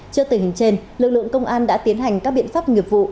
trước tình hình trên lực lượng công an đã tiến hành các biện pháp nghiệp vụ